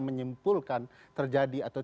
menyimpulkan terjadi atau